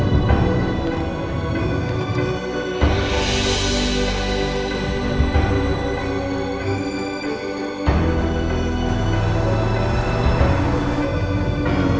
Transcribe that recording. ya kita berhasil